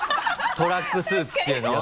トラックスーツって言うの？